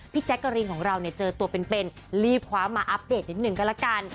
แจ๊กกะรีนของเราเนี่ยเจอตัวเป็นรีบคว้ามาอัปเดตนิดนึงก็ละกัน